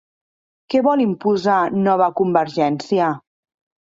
Què vol impulsar Nova Convergència?